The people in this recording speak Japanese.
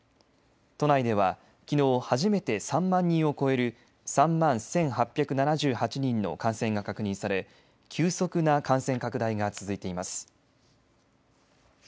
都内ではきのう初めて３万人を超える３万１８７８人の感染が確認され急速な感染拡大が続いています。